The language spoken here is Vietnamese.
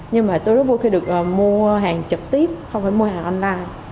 nhưng mà tôi rất vui khi được mua hàng trực tiếp không phải mua hàng online